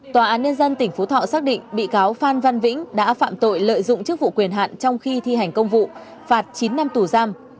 tòa án nhân dân tỉnh phú thọ xác định bị cáo phan văn vĩnh đã phạm tội lợi dụng chức vụ quyền hạn trong khi thi hành công vụ phạt chín năm tù giam